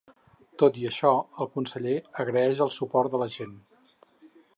Tot i això el conseller agraeix el suport de la gent.